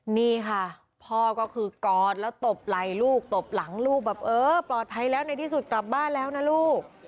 นี่ค่ะพ่อก็คือกอดแล้วตบไหล่ลูกตบหลังลูกแบบเออปลอดภัยแล้วในที่สุดกลับบ้านแล้วนะลูก